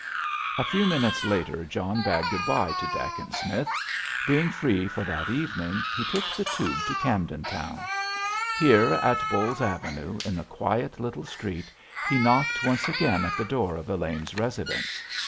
A few minutes later John bade good night to Dacent Smith. Being free for that evening, he took the tube to Camden Town. Here, at Bowles Avenue, in the quiet little street, he knocked once again at the door of Elaine's residence.